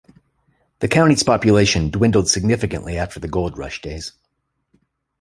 The county's population dwindled significantly after the gold rush days.